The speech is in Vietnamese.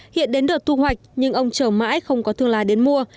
hiện đến đợt thu hoạch nhưng ông chờ mãi không có thương lái đến mua